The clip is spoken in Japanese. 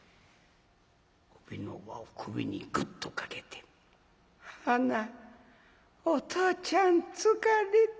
帯の輪を首にグッとかけて「ハナお父ちゃん疲れた。